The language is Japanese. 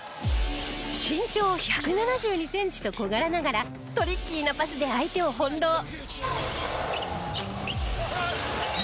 身長１７２センチと小柄ながらトリッキーなパスで相手を翻弄。